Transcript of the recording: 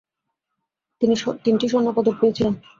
তিনি তিনটি স্বর্ণপদক পেয়েছিলেন।